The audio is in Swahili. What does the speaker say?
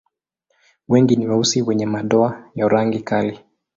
Wengi ni weusi wenye madoa ya rangi kali.